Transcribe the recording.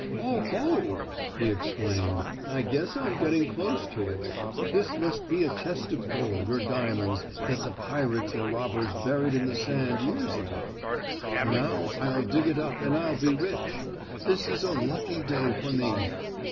"Oh, ho!" he exclaimed. "I guess I'm getting close to it. This must be a chest of gold or diamonds that the pirates or robbers buried in the sand years ago. Now, I'll dig it up and I'll be rich. This is a lucky day for me!"